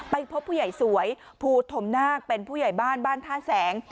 พบผู้ใหญ่สวยภูธมนาคเป็นผู้ใหญ่บ้านบ้านท่าแสง